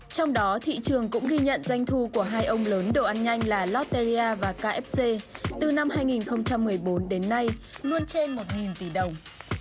trong đó thị trường cũng ghi nhận doanh thu của hai ông lớn đồ ăn nhanh là lotteria và kfc từ năm hai nghìn một mươi bốn đến nay luôn trên một tỷ đồng